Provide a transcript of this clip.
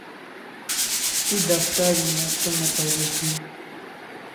Tu daftar una ko ne paris dai?